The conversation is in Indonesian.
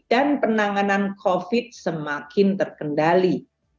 dan penanganan covid sembilan belas semakin terkendali